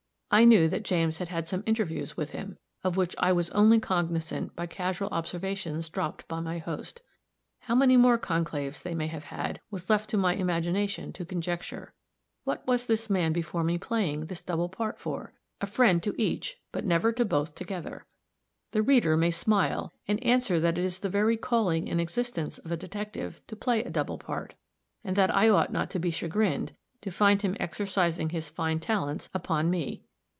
I knew that James had had some interviews with him, of which I was only cognizant by casual observations dropped by my host. How many more conclaves they may have held, was left to my imagination to conjecture. What was this man before me playing this double part for? a friend to each, but never to both together. The reader may smile, and answer that it is the very calling and existence of a detective to play a double part; and that I ought not to be chagrined to find him exercising his fine talents upon me.